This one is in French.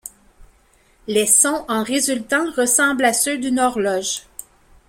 Les sons en résultant ressemblent à ceux d'une horloge.